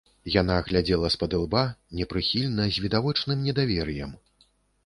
Яна глядзела спадылба, непрыхільна, з відавочным недавер'ем.